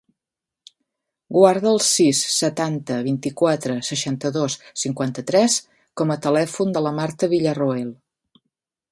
Guarda el sis, setanta, vint-i-quatre, seixanta-dos, cinquanta-tres com a telèfon de la Marta Villarroel.